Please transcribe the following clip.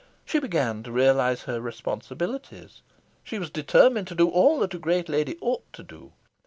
She began to realise her responsibilities. She was determined to do all that a great lady ought to do.